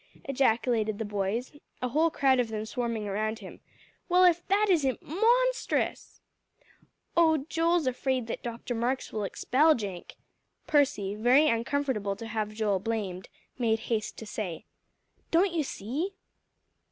ejaculated the boys, a whole crowd of them swarming around him, "well, if that isn't monstrous!" "Oh, Joel's afraid that Dr. Marks will expel Jenk," Percy, very uncomfortable to have Joel blamed, made haste to say. "Don't you see?"